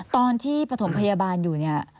ตอนที่ปฐมพยาบาลอยู่เนี่ย